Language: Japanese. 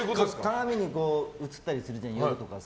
鏡に映ったりするじゃない夜とか。